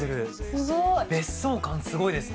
すごい！別荘感すごいですね。